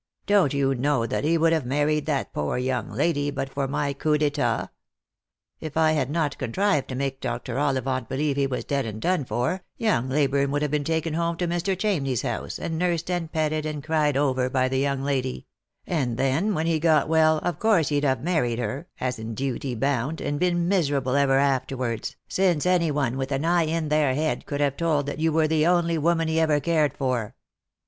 " Don't you know that he would have married that poor young lady but for my coup d'etat ? If I had not contrived to make Dr. Ollivant believe he was dead and done for, young Leyburne would have been taken home to Mr. Chamney's house, and nursed and petted and cried over by the young lady ; and then when he got well of course he'd have married her, as in duty bound, and been miserable ever afterwards, since any one with an eye in their head could have told that you were the only woman he ever cared for.